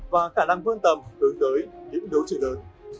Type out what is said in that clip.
và khả năng vươn tầm hướng tới những đấu trị lớn